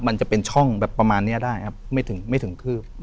มันจะเป็นช่องแบบประมาณนี้ได้ครับไม่ถึงคืบ